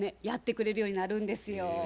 やってくれるようになるんですよ。